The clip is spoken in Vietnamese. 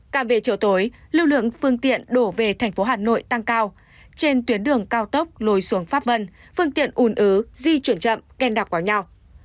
cảm về chiều tối lưu lượng phương tiện đổ về thành phố hà nội tăng cao trên tuyến đường cao tốc lối xuống pháp vân phương tiện ủn ứ di chuyển chậm khen đặc quảng nhau